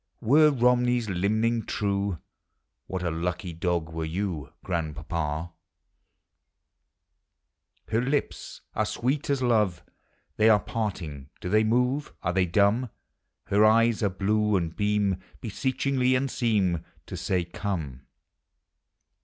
Were Komnev's limning true, What a lucky dog were you, Grandpapa ! II er lips are sweet as love; They are parting! Do they move Are they dumb? Her eyes are blue, and beam Beseechingly, and seem To say, " Come